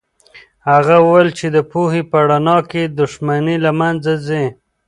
هغه وویل چې د پوهې په رڼا کې دښمني له منځه ځي.